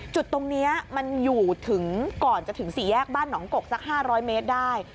จุดตรงนี้มันอยู่ถึงก่อนจะถึงสี่แยกบ้านหนองกกสัก๕๐๐เมตรได้